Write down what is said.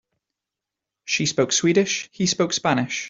She spoke Swedish, he spoke Spanish.